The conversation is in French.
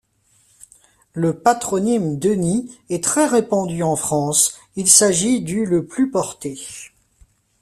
Le patronyme Denis est très répandu en France, il s'agit du le plus porté.